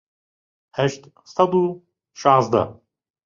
هەشت سەد و شازدە